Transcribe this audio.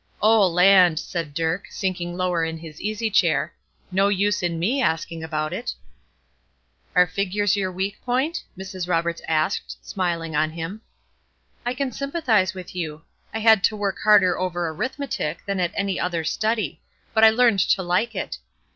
"Oh, land!" said Dirk, sinking lower in his easy chair. "No use in me asking about it." "Are figures your weak point?" Mrs. Roberts asked, smiling on him. "I can sympathize with you; I had to work harder over arithmetic than at any other study; but I learned to like it.